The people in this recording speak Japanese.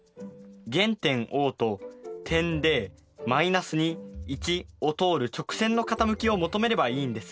原点Ｏと点Ｄを通る直線の傾きを求めればいいんですね。